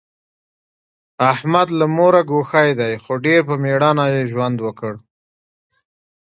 احمد له موره ګوښی دی، خو ډېر په مېړانه یې ژوند وکړ.